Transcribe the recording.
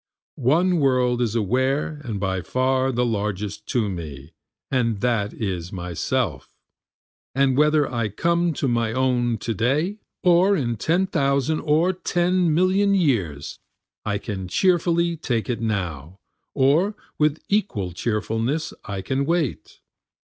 One world is aware and by far the largest to me, and that is myself, And whether I come to my own to day or in ten thousand or ten million years, I can cheerfully take it now, or with equal cheerfulness I can wait.